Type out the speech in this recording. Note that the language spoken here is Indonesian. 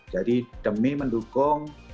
jadi demi mendukung